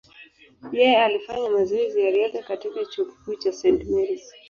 Yeye alifanya mazoezi ya riadha katika chuo kikuu cha St. Mary’s.